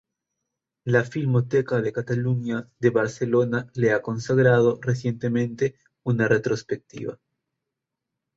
La Filmoteca de Catalunya, de Barcelona, le ha consagrado recientemente una retrospectiva.